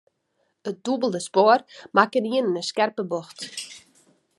It dûbelde spoar makke ynienen in skerpe bocht.